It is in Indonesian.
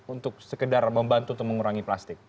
untuk sekedar membantu untuk mengurangi plastik